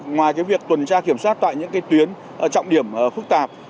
ngoài việc tuần tra kiểm soát tại những tuyến trọng điểm phức tạp